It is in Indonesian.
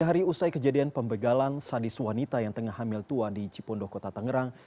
pada hari usai kejadian pembegalan sadis wanita yang tengah hamil tua di cipondokota tangerang